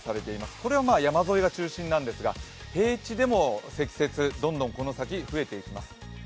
これは山沿いが中心なんですが、平地でも積雪、どんどんこの先、増えていきます。